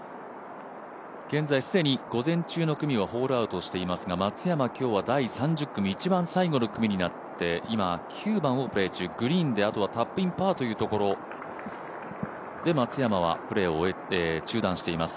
現在、既に午前中の組はホールアウトしていますが松山、今日は第３０組、一番最後の組になって今、９番をプレー中、グリーンでタップインパーというところ、松山はプレーを中断しています。